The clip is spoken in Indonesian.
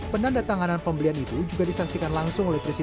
penanda tanganan pembelian itu juga disaksikan langsung oleh presiden